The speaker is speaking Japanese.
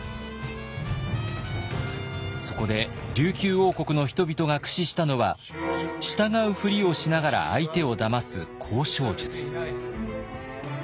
そこで琉球王国の人々が駆使したのは従うふりをしながら相手をだます交渉術。